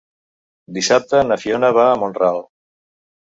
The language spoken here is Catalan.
Dissabte na Fiona va a Mont-ral.